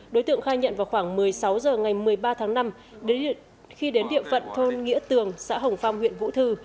đối tượng khai nhận vào khoảng một mươi sáu h ngày một mươi ba tháng năm khi đến địa phận thôn nghĩa tường xã hồng phong huyện vũ thư